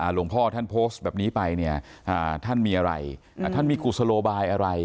หลวงพ่อท่านโพสต์แบบนี้ไปเนี่ยท่านมีอะไรท่านมีกุศโลบายอะไร